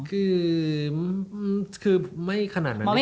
คือไม่ขนาดนั้นดีกว่า